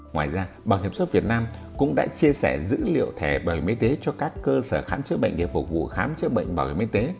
ngoài ra bảo hiểm xuất việt nam cũng đã chia sẻ dữ liệu thẻ bảo hiểm y tế cho các cơ sở khám chữa bệnh để phục vụ khám chữa bệnh bảo hiểm y tế